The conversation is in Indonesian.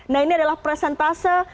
nah ini adalah presentase